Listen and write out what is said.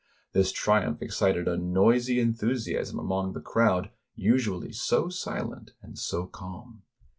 This triumph excited a noisy enthusiasm among the crowd usually so silent and so calm.